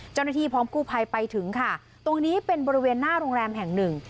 เจ้าหน้าที่พร้อมกู้ภัยไปถึงค่ะตรงนี้เป็นบริเวณหน้าโรงแรมแห่งหนึ่ง